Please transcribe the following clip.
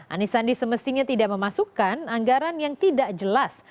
anies sandi semestinya tidak memasukkan anggaran yang tidak jelas